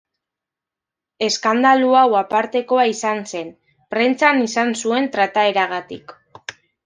Eskandalu hau apartekoa izan zen, prentsan izan zuen trataeragatik.